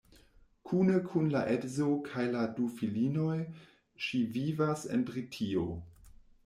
Kune kun la edzo kaj la du filinoj ŝi vivas en Britio.